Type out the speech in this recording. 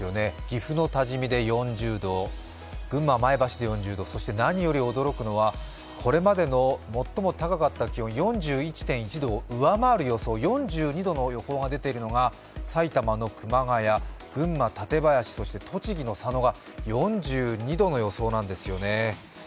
岐阜の多治見で４０度、群馬・前橋で４０度、そしてなにより驚くのはこれまでの最も高かった気温、４１．１度を上回る予想、４２度の予報が出ているのが埼玉の熊谷、群馬の館林、栃木の佐野が４２度の予想なんですよね。